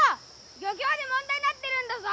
漁協で問題になってるんだぞ！